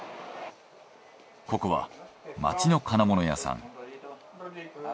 ここは街の金物屋さん。